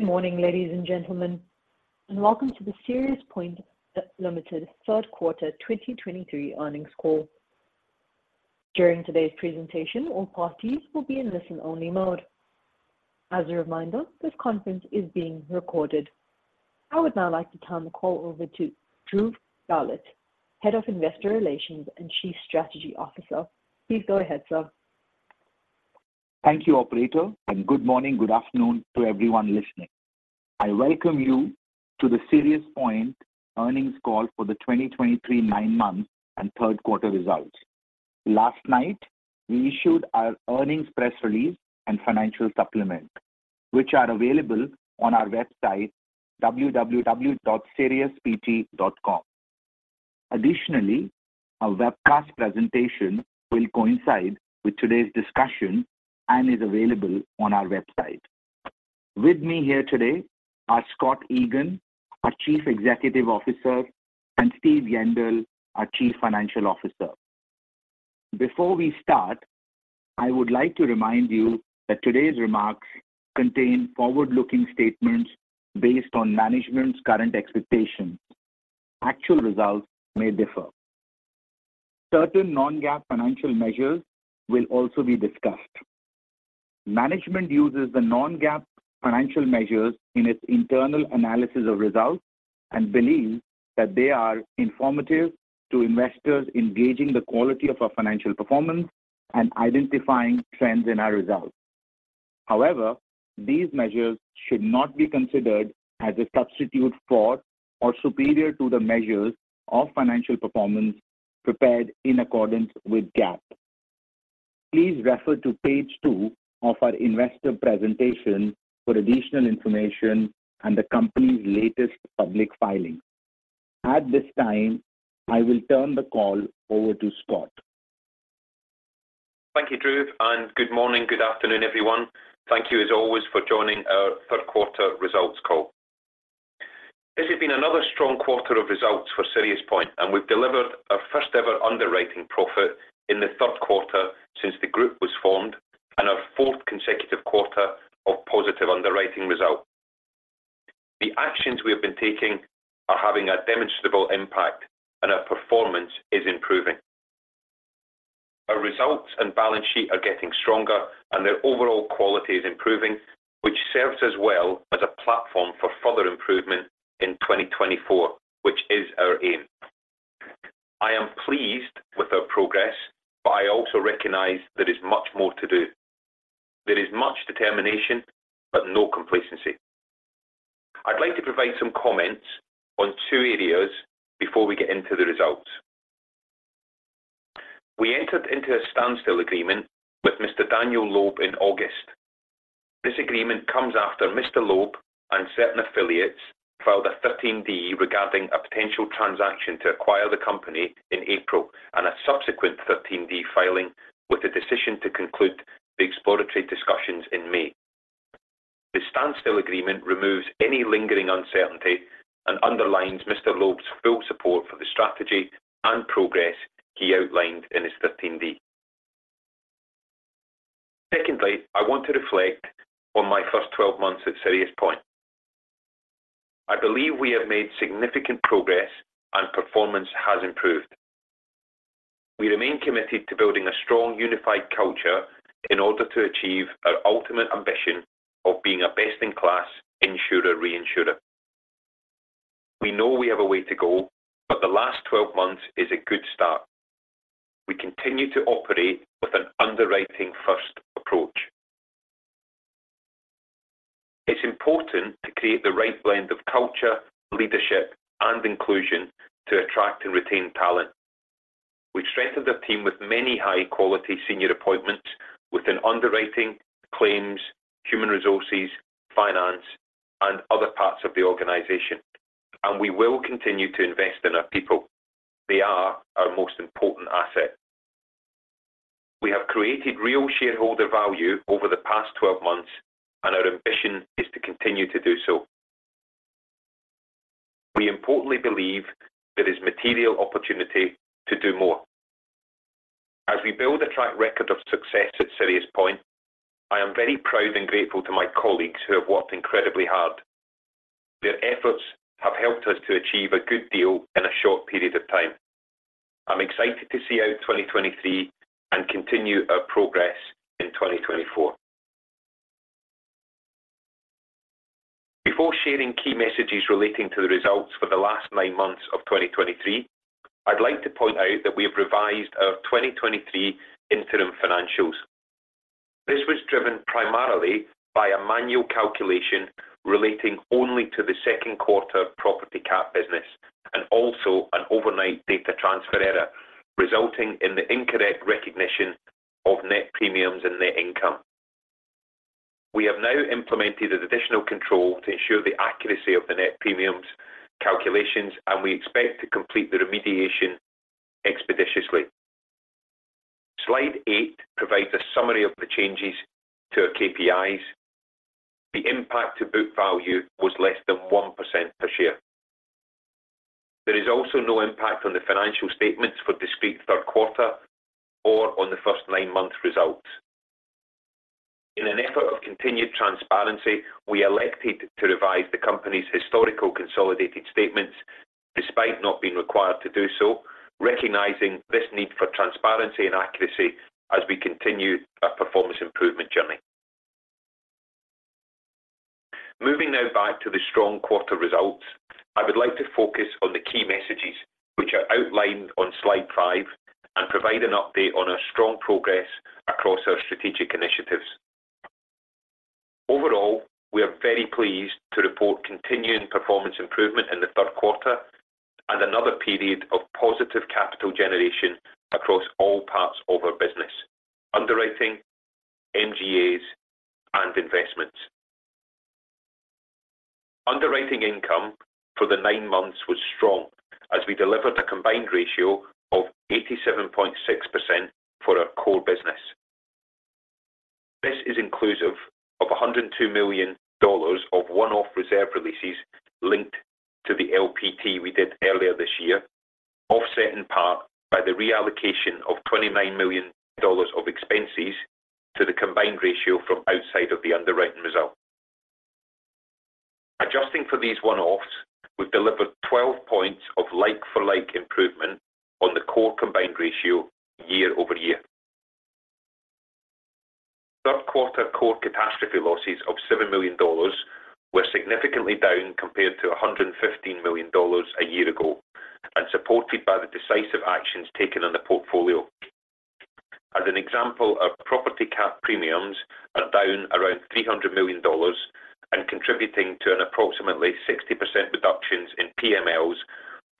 Good morning, ladies and gentlemen, and welcome to the SiriusPoint Ltd. third quarter 2023 earnings call. During today's presentation, all parties will be in listen-only mode. As a reminder, this conference is being recorded. I would now like to turn the call over to Dhruv Gahlaut, Head of Investor Relations and Chief Strategy Officer. Please go ahead, sir. Thank you, operator, and good morning, good afternoon to everyone listening. I welcome you to the SiriusPoint earnings call for the 2023 9 months and third quarter results. Last night, we issued our earnings press release and financial supplement, which are available on our website, www.siriuspoint.com. Additionally, our webcast presentation will coincide with today's discussion and is available on our website. With me here today are Scott Egan, our Chief Executive Officer, and Steve Yendall, our Chief Financial Officer. Before we start, I would like to remind you that today's remarks contain forward-looking statements based on management's current expectations. Actual results may differ. Certain non-GAAP financial measures will also be discussed. Management uses the non-GAAP financial measures in its internal analysis of results and believes that they are informative to investors in gauging the quality of our financial performance and identifying trends in our results. However, these measures should not be considered as a substitute for or superior to the measures of financial performance prepared in accordance with GAAP. Please refer to page 2 of our investor presentation for additional information and the company's latest public filings. At this time, I will turn the call over to Scott. Thank you, Dhruv, and good morning, good afternoon, everyone. Thank you, as always, for joining our third quarter results call. This has been another strong quarter of results for SiriusPoint, and we've delivered our first-ever underwriting profit in the third quarter since the group was formed and our fourth consecutive quarter of positive underwriting results. The actions we have been taking are having a demonstrable impact, and our performance is improving. Our results and balance sheet are getting stronger, and their overall quality is improving, which serves as well as a platform for further improvement in 2024, which is our aim. I am pleased with our progress, but I also recognize there is much more to do. There is much determination, but no complacency. I'd like to provide some comments on two areas before we get into the results. We entered into a standstill agreement with Mr. Daniel Loeb in August. This agreement comes after Mr. Loeb and certain affiliates filed a 13D regarding a potential transaction to acquire the company in April and a subsequent 13D filing with a decision to conclude the exploratory discussions in May. The standstill agreement removes any lingering uncertainty and underlines Mr. Loeb's full support for the strategy and progress he outlined in his 13D. Secondly, I want to reflect on my first 12 months at SiriusPoint. I believe we have made significant progress and performance has improved. We remain committed to building a strong, unified culture in order to achieve our ultimate ambition of being a best-in-class insurer, reinsurer. We know we have a way to go, but the last 12 months is a good start. We continue to operate with an underwriting-first approach. It's important to create the right blend of culture, leadership, and inclusion to attract and retain talent. We strengthened our team with many high-quality senior appointments within underwriting, claims, human resources, finance, and other parts of the organization, and we will continue to invest in our people. They are our most important asset. We have created real shareholder value over the past 12 months, and our ambition is to continue to do so. We importantly believe there is material opportunity to do more. As we build a track record of success at SiriusPoint, I am very proud and grateful to my colleagues who have worked incredibly hard. Their efforts have helped us to achieve a good deal in a short period of time. I'm excited to see out 2023 and continue our progress in 2024. Before sharing key messages relating to the results for the last nine months of 2023, I'd like to point out that we have revised our 2023 interim financials. This was driven primarily by a manual calculation relating only to the second quarter property cat business and also an overnight data transfer error, resulting in the incorrect recognition of net premiums and net income. We have now implemented an additional control to ensure the accuracy of the net premiums calculations, and we expect to complete the remediation expeditiously. Slide 8 provides a summary of the changes to our KPIs. The impact to book value was less than 1% per share.... There is also no impact on the financial statements for discrete third quarter or on the first nine months results. In an effort of continued transparency, we elected to revise the company's historical consolidated statements, despite not being required to do so, recognizing this need for transparency and accuracy as we continue our performance improvement journey. Moving now back to the strong quarter results, I would like to focus on the key messages which are outlined on slide 5, and provide an update on our strong progress across our strategic initiatives. Overall, we are very pleased to report continuing performance improvement in the third quarter and another period of positive capital generation across all parts of our business: underwriting, MGAs, and investments. Underwriting income for the 9 months was strong as we delivered a combined ratio of 87.6% for our core business. This is inclusive of $102 million of one-off reserve releases linked to the LPT we did earlier this year, offset in part by the reallocation of $29 million of expenses to the combined ratio from outside of the underwriting result. Adjusting for these one-offs, we've delivered 12 points of like-for-like improvement on the core combined ratio year-over-year. Third-quarter core catastrophe losses of $7 million were significantly down compared to $115 million a year ago, and supported by the decisive actions taken on the portfolio. As an example, our property cat premiums are down around $300 million and contributing to an approximately 60% reductions in PMLs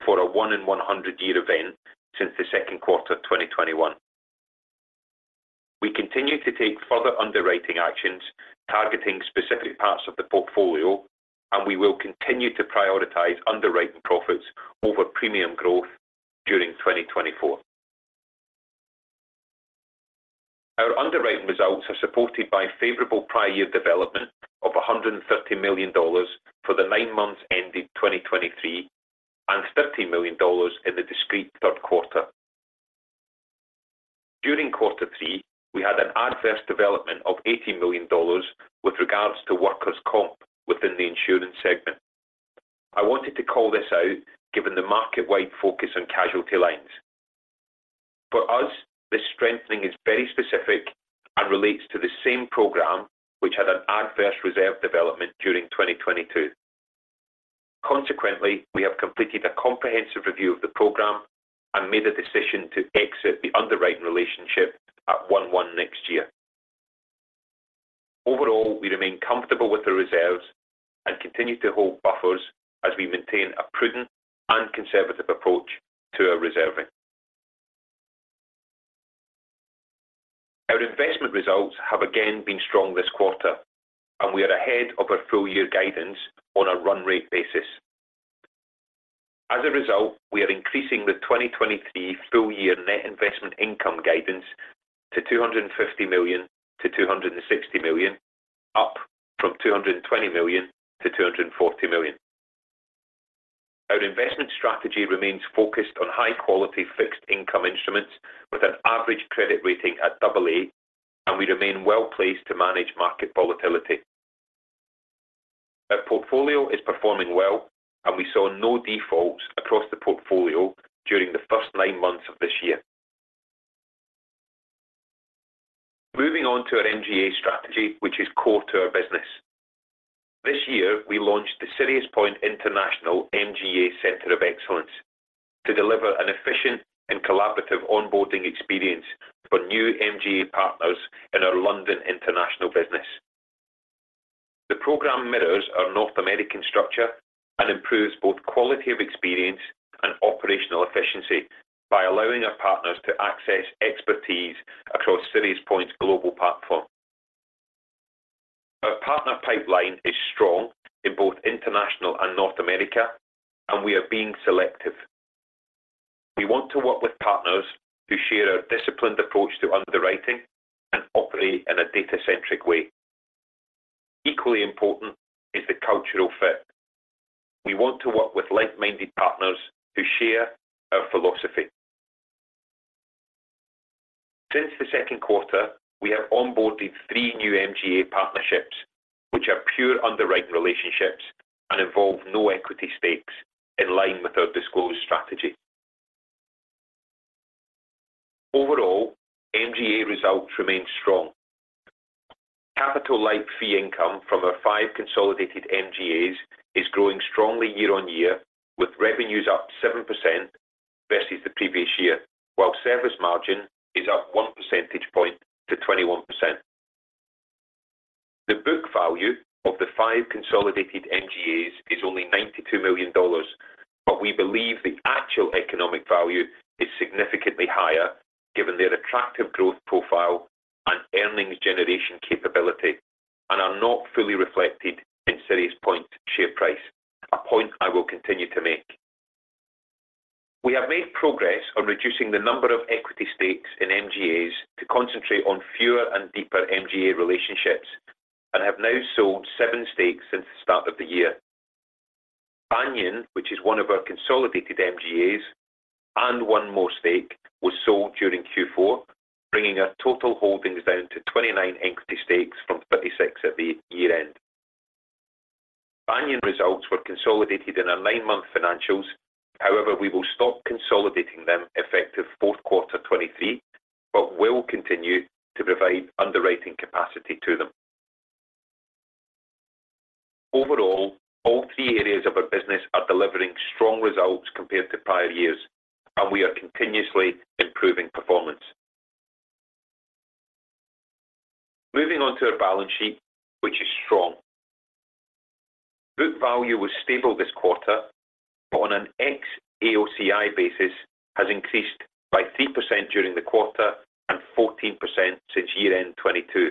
for a 1-in-100-year event since the second quarter of 2021. We continue to take further underwriting actions, targeting specific parts of the portfolio, and we will continue to prioritize underwriting profits over premium growth during 2024. Our underwriting results are supported by favorable prior year development of $130 million for the nine months ending 2023, and $13 million in the discrete third quarter. During quarter three, we had an adverse development of $80 million with regards to workers' comp within the insurance segment. I wanted to call this out, given the market-wide focus on casualty lines. For us, this strengthening is very specific and relates to the same program, which had an adverse reserve development during 2022. Consequently, we have completed a comprehensive review of the program and made a decision to exit the underwriting relationship at 1/1 next year. Overall, we remain comfortable with the reserves and continue to hold buffers as we maintain a prudent and conservative approach to our reserving. Our investment results have again been strong this quarter, and we are ahead of our full year guidance on a run rate basis. As a result, we are increasing the 2023 full year net investment income guidance to $250 million-$260 million, up from $220 million-$240 million. Our investment strategy remains focused on high quality fixed income instruments with an average credit rating at AA, and we remain well-placed to manage market volatility. Our portfolio is performing well, and we saw no defaults across the portfolio during the first nine months of this year. Moving on to our MGA strategy, which is core to our business. This year, we launched the SiriusPoint International MGA Centre of Excellence to deliver an efficient and collaborative onboarding experience for new MGA partners in our London International business. The program mirrors our North American structure and improves both quality of experience and operational efficiency by allowing our partners to access expertise across SiriusPoint's global platform. Our partner pipeline is strong in both international and North America, and we are being selective. We want to work with partners who share our disciplined approach to underwriting and operate in a data-centric way. Equally important is the cultural fit. We want to work with like-minded partners who share our philosophy. Since the second quarter, we have onboarded three new MGA partnerships, which are pure underwriting relationships and involve no equity stakes in line with our disclosed strategy. Overall, MGA results remain strong. Capital-light fee income from our five consolidated MGAs is growing strongly year-on-year, with revenues up 7% versus the previous year, while service margin is up one percentage point to 21%. The book value of the five consolidated MGAs is only $92 million, but we believe the actual economic value is significantly higher, given their attractive growth profile and earnings generation capability, and are not fully reflected in SiriusPoint share price. A point I will continue to make. We have made progress on reducing the number of equity stakes in MGAs to concentrate on fewer and deeper MGA relationships and have now sold 7 stakes since the start of the year. Banyan, which is one of our consolidated MGAs, and one more stake, was sold during Q4, bringing our total holdings down to 29 equity stakes from 36 at the year-end. Banyan results were consolidated in our nine-month financials. However, we will stop consolidating them effective fourth quarter 2023, but will continue to provide underwriting capacity to them. Overall, all three areas of our business are delivering strong results compared to prior years, and we are continuously improving performance. Moving on to our balance sheet, which is strong. Book value was stable this quarter, but on an ex AOCI basis, has increased by 3% during the quarter and 14% since year-end 2022.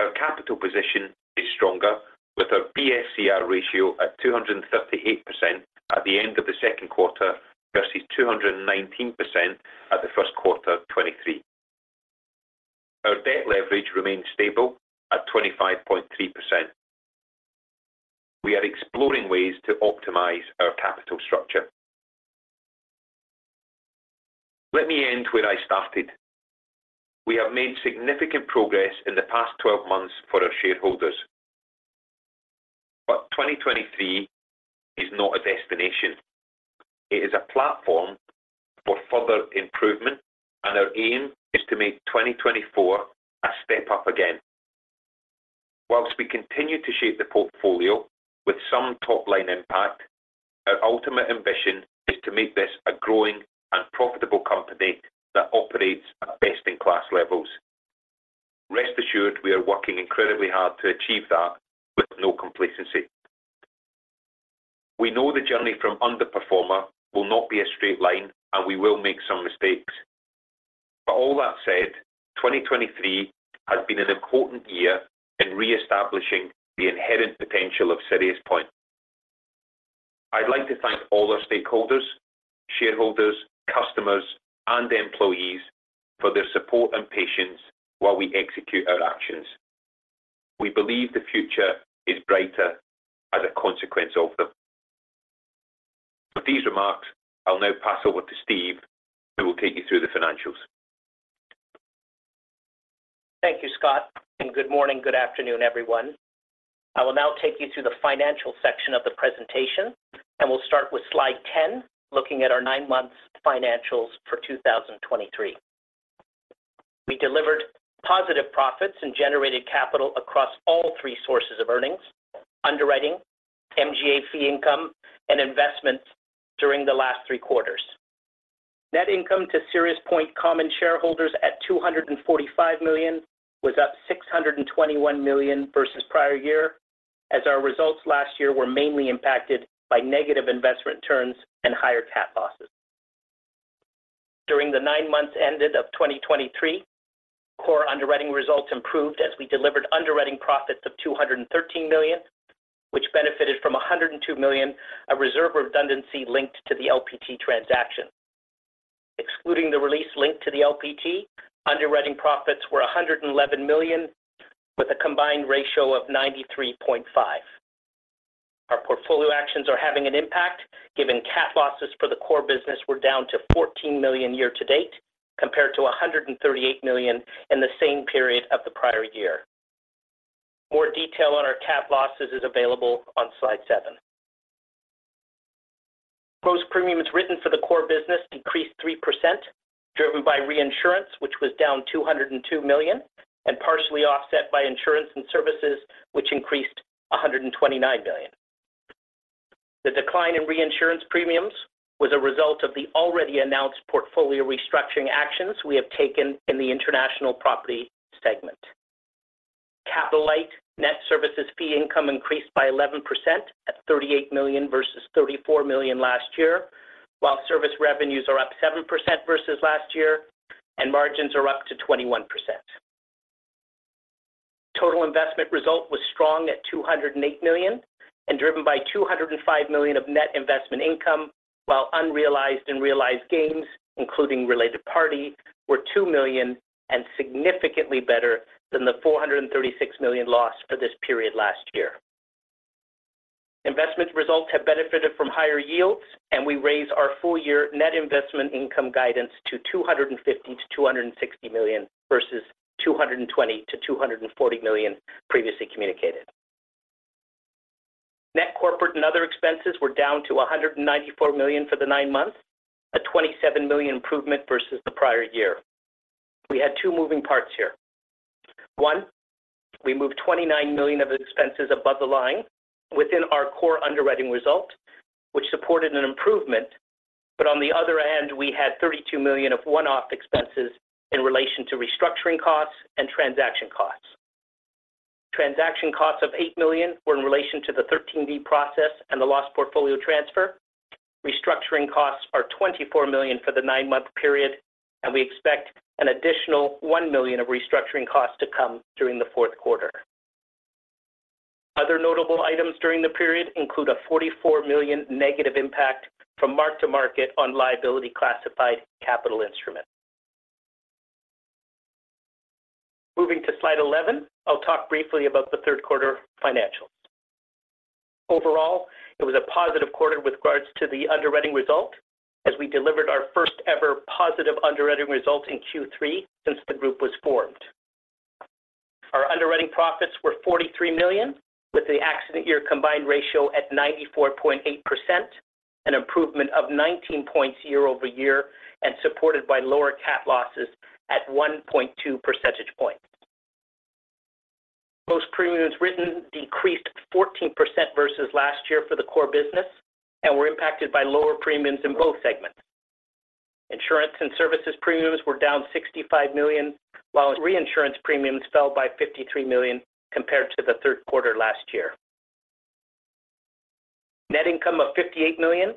Our capital position is stronger, with our BSCR ratio at 238% at the end of the second quarter, versus 219% at the first quarter 2023. Our debt leverage remains stable at 25.3%. We are exploring ways to optimize our capital structure. Let me end where I started. We have made significant progress in the past 12 months for our shareholders, but 2023 is not a destination. It is a platform for further improvement, and our aim is to make 2024 a step up again. While we continue to shape the portfolio with some top-line impact, our ultimate ambition is to make this a growing and profitable company that operates at best-in-class levels. Rest assured, we are working incredibly hard to achieve that with no complacency. We know the journey from underperformer will not be a straight line, and we will make some mistakes. But all that said, 2023 has been an important year in reestablishing the inherent potential of SiriusPoint. I'd like to thank all our stakeholders, shareholders, customers, and employees for their support and patience while we execute our actions. We believe the future is brighter as a consequence of them. With these remarks, I'll now pass over to Steve, who will take you through the financials. Thank you, Scott, and good morning, good afternoon, everyone. I will now take you through the financial section of the presentation, and we'll start with slide 10, looking at our nine-month financials for 2023. We delivered positive profits and generated capital across all three sources of earnings: underwriting, MGA fee income, and investments during the last three quarters. Net income to SiriusPoint common shareholders at $245 million was up $621 million versus prior year, as our results last year were mainly impacted by negative investment returns and higher cat losses. During the nine months ended of 2023, core underwriting results improved as we delivered underwriting profits of $213 million, which benefited from $102 million, a reserve redundancy linked to the LPT transaction. Excluding the release linked to the LPT, underwriting profits were $111 million, with a combined ratio of 93.5%. Our portfolio actions are having an impact, given cat losses for the core business were down to $14 million year to date, compared to $138 million in the same period of the prior year. More detail on our cat losses is available on slide 7. Gross premiums written for the core business increased 3%, driven by reinsurance, which was down $202 million, and partially offset by insurance and services, which increased $129 million. The decline in reinsurance premiums was a result of the already announced portfolio restructuring actions we have taken in the international property segment. Capital light net services fee income increased by 11% at $38 million versus $34 million last year, while service revenues are up 7% versus last year, and margins are up to 21%. Total investment result was strong at $208 million and driven by $205 million of net investment income, while unrealized and realized gains, including related party, were $2 million and significantly better than the $436 million lost for this period last year. Investment results have benefited from higher yields, and we raise our full-year net investment income guidance to $250 million-$260 million versus $220 million-$240 million previously communicated. Net corporate and other expenses were down to $194 million for the nine months, a $27 million improvement versus the prior year. We had two moving parts here. One, we moved $29 million of expenses above the line within our core underwriting result, which supported an improvement. But on the other hand, we had $32 million of one-off expenses in relation to restructuring costs and transaction costs. Transaction costs of $8 million were in relation to the 13D process and the loss portfolio transfer. Restructuring costs are $24 million for the nine-month period, and we expect an additional $1 million of restructuring costs to come during the fourth quarter. Other notable items during the period include a $44 million negative impact from mark-to-market on liability classified capital instrument. Moving to slide 11, I'll talk briefly about the third quarter financials. Overall, it was a positive quarter with regards to the underwriting result, as we delivered our first-ever positive underwriting result in Q3 since the group was formed. Our underwriting profits were $43 million, with the accident year combined ratio at 94.8%, an improvement of 19 points year-over-year, and supported by lower cat losses at 1.2 percentage points. Gross premiums written decreased 14% versus last year for the core business and were impacted by lower premiums in both segments. Insurance and services premiums were down $65 million, while reinsurance premiums fell by $53 million compared to the third quarter last year. Net income of $58 million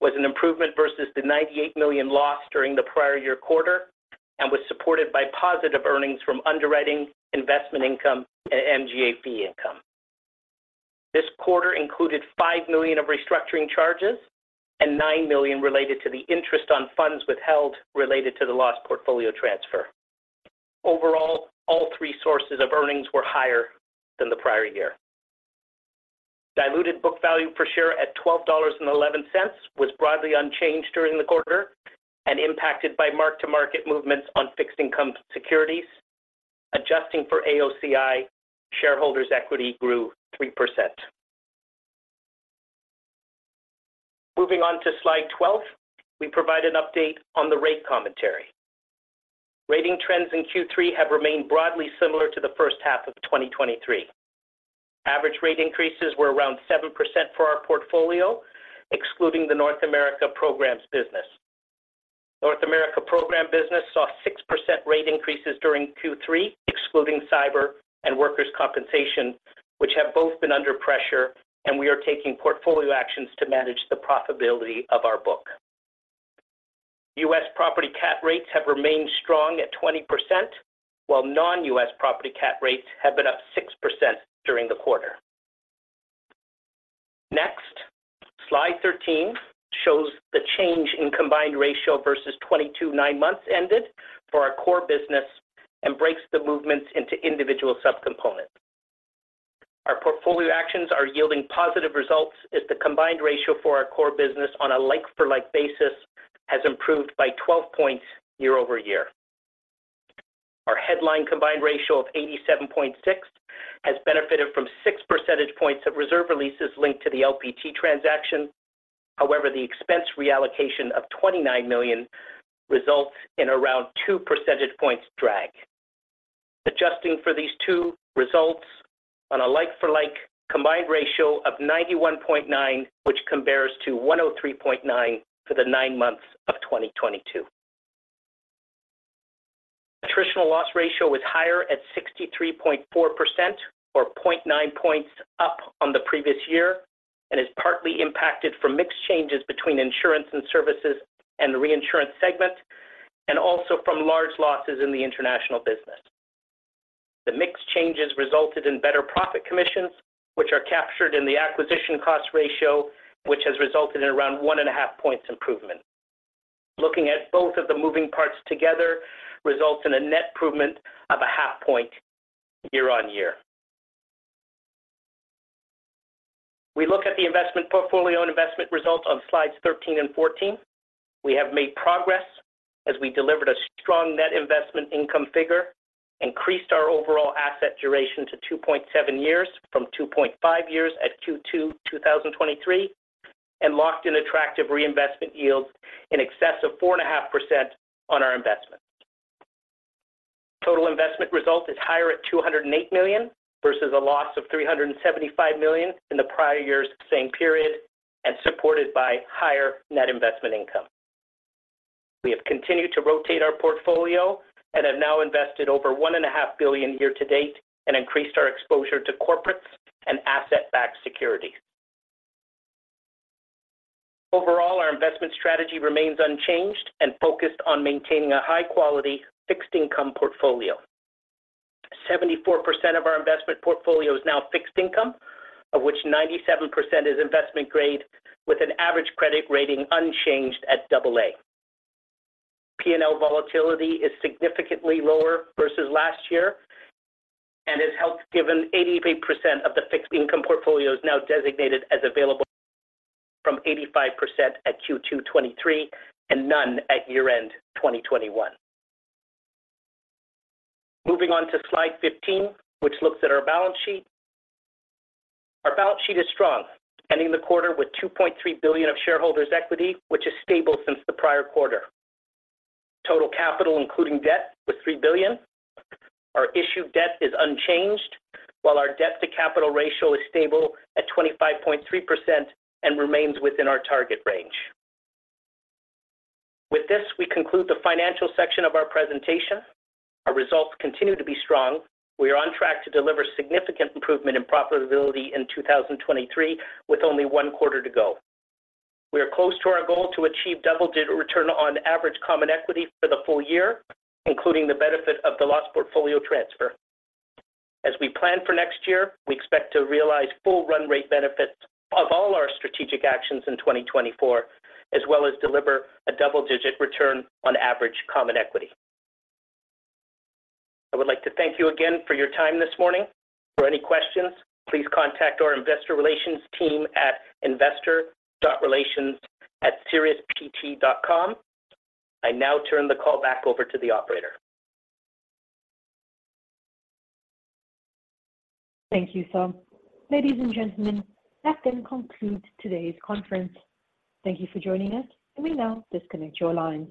was an improvement versus the $98 million loss during the prior year quarter and was supported by positive earnings from underwriting, investment income, and MGA fee income. This quarter included $5 million of restructuring charges and $9 million related to the interest on funds withheld related to the loss portfolio transfer. Overall, all three sources of earnings were higher than the prior year. Diluted book value per share at $12.11 was broadly unchanged during the quarter and impacted by mark-to-market movements on fixed income securities. Adjusting for AOCI, shareholders' equity grew 3%. Moving on to slide 12, we provide an update on the rate commentary. Rating trends in Q3 have remained broadly similar to the first half of 2023. Average rate increases were around 7% for our portfolio, excluding the North America Programs business. North America Program business saw 6% rate increases during Q3, excluding cyber and workers' compensation, which have both been under pressure, and we are taking portfolio actions to manage the profitability of our book. US property cat rates have remained strong at 20%, while non-US property cat rates have been up 6% during the quarter. Next, slide 13 shows the change in combined ratio versus 2022 nine months ended for our core business and breaks the movements into individual subcomponents. Our portfolio actions are yielding positive results, as the combined ratio for our core business on a like-for-like basis has improved by 12 points year-over-year. Our headline combined ratio of 87.6 has benefited from 6 percentage points of reserve releases linked to the LPT transaction. However, the expense reallocation of $29 million results in around 2 percentage points drag. Adjusting for these two results on a like-for-like combined ratio of 91.9, which compares to 103.9 for the nine months of 2022. Attritional loss ratio is higher at 63.4% or 0.9 points up on the previous year and is partly impacted from mixed changes between insurance and services and the reinsurance segment, and also from large losses in the international business. The mix changes resulted in better profit commissions, which are captured in the acquisition cost ratio, which has resulted in around 1.5 points improvement. Looking at both of the moving parts together results in a net improvement of 0.5 point year-over-year. We look at the investment portfolio and investment results on slides 13 and 14. We have made progress as we delivered a strong net investment income figure, increased our overall asset duration to 2.7 years from 2.5 years at Q2 2023, and locked in attractive reinvestment yields in excess of 4.5% on our investment. Total investment result is higher at $208 million, versus a loss of $375 million in the prior year's same period, and supported by higher net investment income. We have continued to rotate our portfolio and have now invested over $1.5 billion year to date and increased our exposure to corporates and asset-backed securities. Overall, our investment strategy remains unchanged and focused on maintaining a high-quality fixed income portfolio. 74% of our investment portfolio is now fixed income, of which 97% is investment grade, with an average credit rating unchanged at AA. P&L volatility is significantly lower versus last year and has helped, given 88% of the fixed income portfolio is now designated as available from 85% at Q2 2023 and none at year-end 2021. Moving on to slide 15, which looks at our balance sheet. Our balance sheet is strong, ending the quarter with $2.3 billion of shareholders' equity, which is stable since the prior quarter. Total capital, including debt, was $3 billion. Our issued debt is unchanged, while our debt-to-capital ratio is stable at 25.3% and remains within our target range. With this, we conclude the financial section of our presentation. Our results continue to be strong. We are on track to deliver significant improvement in profitability in 2023, with only one quarter to go. We are close to our goal to achieve double-digit return on average common equity for the full year, including the benefit of the loss portfolio transfer. As we plan for next year, we expect to realize full run rate benefits of all our strategic actions in 2024, as well as deliver a double-digit return on average common equity. I would like to thank you again for your time this morning. For any questions, please contact our investor relations team at investor.relations@siriuspoint.com. I now turn the call back over to the operator. Thank you, Tom. Ladies and gentlemen, that then concludes today's conference. Thank you for joining us, and we now disconnect your lines.